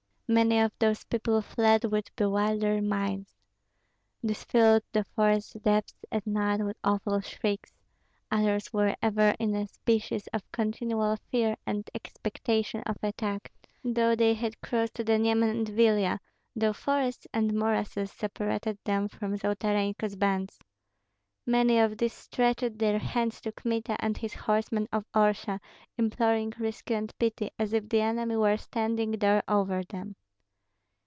Many of those people fled with bewildered minds. These filled the forest depths at night with awful shrieks; others were ever in a species of continual fear and expectation of attack, though they had crossed the Nyemen and Vilia, though forests and morasses separated them from Zolotarenko's bands. Many of these stretched their hands to Kmita and his horsemen of Orsha, imploring rescue and pity, as if the enemy were standing there over them.